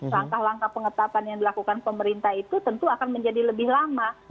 langkah langkah pengetapan yang dilakukan pemerintah itu tentu akan menjadi lebih lama